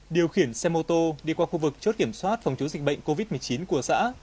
điều khiển xe mô tô đi qua khu vực chốt kiểm soát phòng chống dịch bệnh covid một mươi chín của xã